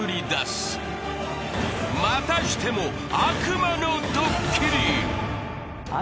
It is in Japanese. ［またしても］